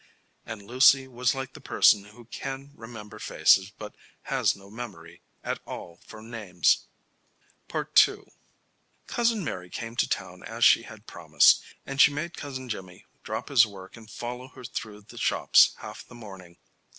And Lucy was like the person who can remember faces, but has no memory at all for names. II Cousin Mary came to town as she had promised, and she made Cousin Jimmy drop his work and follow her through the shops half the morning.